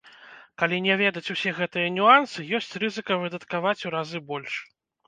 Калі не ведаць усе гэтыя нюансы, ёсць рызыка выдаткаваць у разы больш.